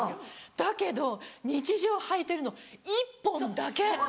だけど日常はいてるの１本だけ。